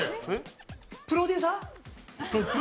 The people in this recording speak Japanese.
プロデューサー？